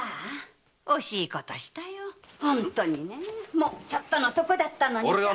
もうちょっとのとこだったのに。